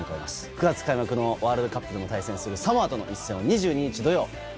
９月開幕のワールドカップでも対戦するサモアとの一戦。